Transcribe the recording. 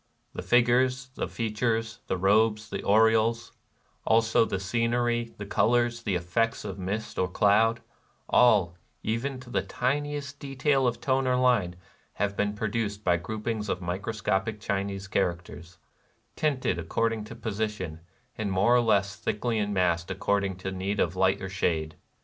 The figures, the fea tures, the robes, the aureoles, — also the scen ery, the colors, the effects of mist or cloud, — all, even to the tiniest detail of tone or line, have been produced by groupings of microscopic Chinese characters, — tinted according to posi tion, and more or less thickly massed accord ing to need of light or shade.